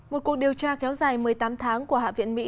một cuộc điều tra kéo dài một mươi tám tháng của hạ viện mỹ